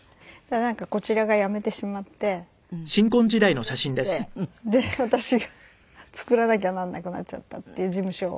なんかこちらがやめてしまっていろいろあって私が作らなきゃならなくなっちゃったっていう事務所を。